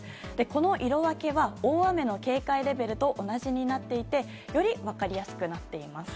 この色分けは大雨の警戒レベルと同じになっていてより分かりやすくなっています。